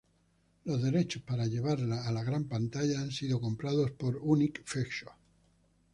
Los derechos para llevarla a la gran pantalla han sido comprados por Unique Features.